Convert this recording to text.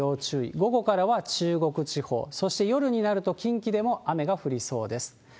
午後からは中国地方、そして夜になると近畿でも雨が降りそうです。